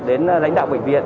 đến lãnh đạo bệnh viện